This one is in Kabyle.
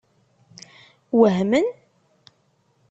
Wehmen?